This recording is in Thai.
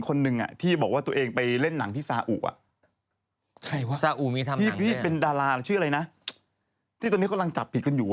ก็นั่งว่ายังงานก็ไม่รู้